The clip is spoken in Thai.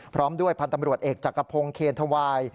พร้อมด้วยพันธ์ตำรวจเอกจักรพงศ์เคนธวาย